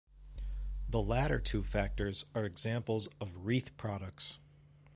The latter two factors are examples of wreath products.